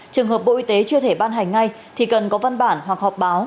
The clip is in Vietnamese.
trường hợp bộ y tế chưa thể ban hành ngay thì cần có văn bản hoặc họp báo